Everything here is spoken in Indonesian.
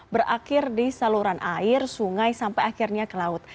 berakhir di saluran air sungai sampai akhirnya ke laut